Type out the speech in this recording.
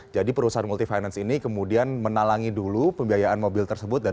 jadi perusahaan multifinance ini kemudian menalangi dulu pembiayaan mobil tersebut